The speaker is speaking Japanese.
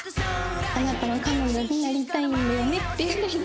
あなたの彼女になりたいんだよねっていう風に。